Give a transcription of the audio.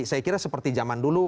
saya kira seperti zaman dulu